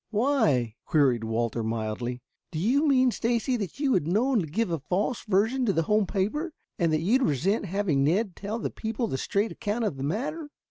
"Why?" queried Walter mildly. "Do you mean, Stacy, that you would knowingly give a false version to the home paper, and that you'd resent having Ned tell the people the straight account of the matter?"